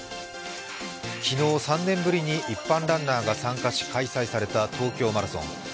昨日、３年ぶりに一般ランナーが参加し開催された東京マラソン。